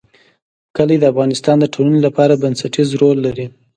کلي د افغانستان د ټولنې لپاره بنسټيز رول لري.